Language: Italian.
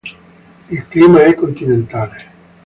Il clima è continentale.